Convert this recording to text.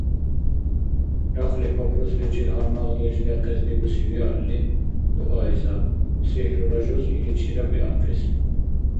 Рахли папрусличил гьалмагъдеш дехъес дигуси виалли, дугьаизаб: «сихӀрула» жуз иличира биахъис.